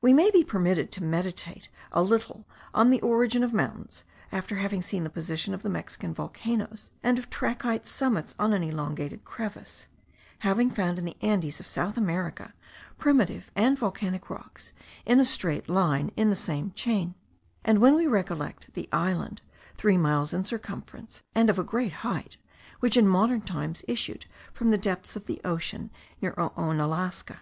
We may be permitted to meditate a little on the origin of mountains, after having seen the position of the Mexican volcanoes, and of trachyte summits on an elongated crevice; having found in the Andes of South America primitive and volcanic rocks in a straight line in the same chain; and when we recollect the island, three miles in circumference, and of a great height, which in modern times issued from the depths of the ocean near Oonalaska.